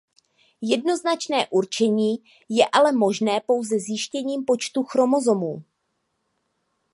Jednoznačné určení je ale možné pouze zjištěním počtu chromozomů.